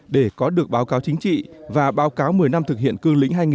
để có được báo cáo chính trị và báo cáo một mươi năm thực hiện cương lĩnh hai nghìn một mươi